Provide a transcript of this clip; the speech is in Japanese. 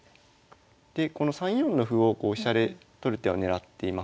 でこの３四の歩を飛車で取る手を狙っています。